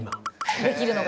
できるのが？